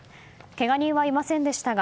けが人はいませんでしたが